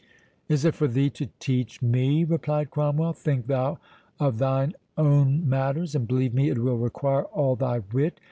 "Is it for thee to teach me?" replied Cromwell; "think thou of thine own matters, and believe me it will require all thy wit.